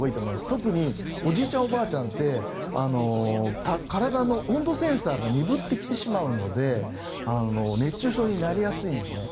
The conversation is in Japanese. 特におじいちゃん、おばあちゃんって体の温度センサーが鈍ってきてしまうので熱中症になりやすいんですね。